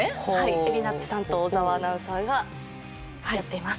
えりなっちさんと小沢アナウンサーがやっています。